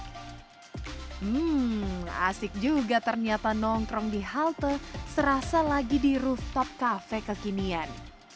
hmm asik juga ternyata nongkrong di halte serasa lagi di rooftop cafe kekinian